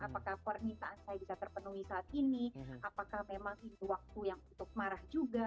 apakah permintaan saya bisa terpenuhi saat ini apakah memang ini waktu yang cukup marah juga